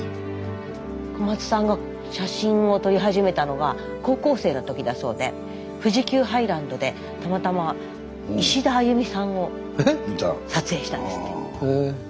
小松さんが写真を撮り始めたのは高校生の時だそうで富士急ハイランドでたまたまいしだあゆみさんを撮影したんですって。